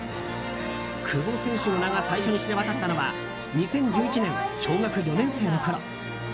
久保選手の名が最初に知れ渡ったのは２０１１年、小学４年生のころ。